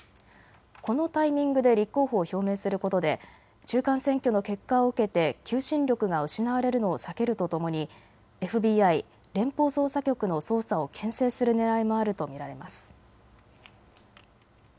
このタイミングで立候補を表明することで中間選挙の結果を受けて求心力が失われるのを避けるとともにＦＢＩ・連邦捜査局の捜査をけん制するねらいもあると見られます。